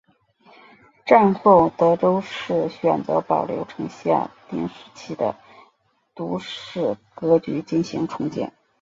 战后德岛市选择保留城下町时期的都市格局进行重建。